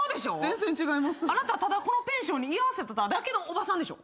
あなたはただこのペンションに居合わせてただけのおばさんでしょ。